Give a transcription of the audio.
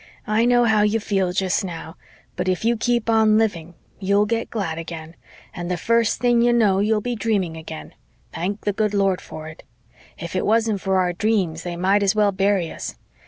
"I know how you feel jest now but if you keep on living you'll get glad again, and the first thing you know you'll be dreaming again thank the good Lord for it! If it wasn't for our dreams they might as well bury us.